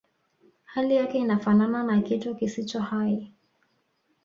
hali yake inafanana na kitu kisicho hai